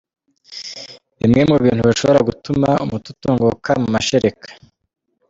Bimwe mu bintu bishobora gutuma umuti utunguka mu mashereka.